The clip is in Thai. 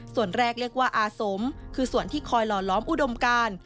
ส่วนแรกเรียกว่าอาสมคือส่วนที่คอยหล่อล้อมอุดมการ